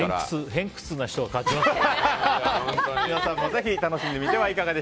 偏屈な人が勝ちますね。